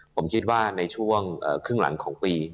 ผมคิดว่าในช่วงครึ่งหลังของปี